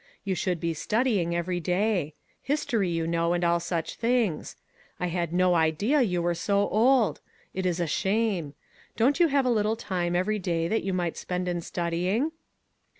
You should be studying, every day; history, you know, and all such things. I had no idea you were so old. It is a shame ! Don't you have a little time every day that you might spend in studying?